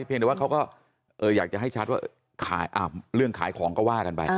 แต่ว่าเขาก็อยากจะให้ชัดว่าเรื่องขายของก็ว่ากันไป